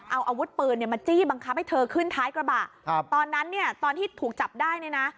เอาอาวุธปืนเนี่ยมาจี้บังคับให้เธอขึ้นท้ายกระบะครับตอนนั้นเนี่ยตอนที่ถูกจับได้เนี่ยนะ